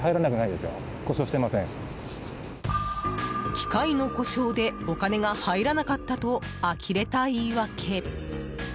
機械の故障でお金が入らなかったとあきれた言い訳。